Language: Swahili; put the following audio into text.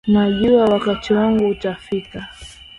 Najua wakati wangu utafika.